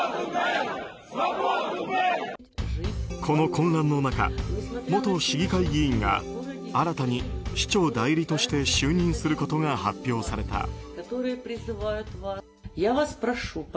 この混乱の中、元市議会議員が新たに市長代理として就任することが発表された。